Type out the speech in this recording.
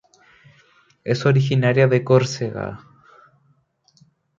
Es originaria de Córcega.